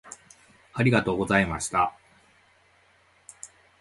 ありがとうございました。